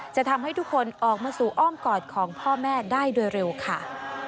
จะทำให้ทุกคนออกมาสู่อ้อมกอดของพ่อแม่ได้โดยเร็วค่ะ